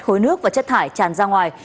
khối nước và chất thải tràn ra ngoài